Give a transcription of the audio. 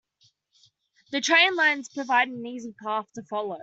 The train lines provided an easy path to follow.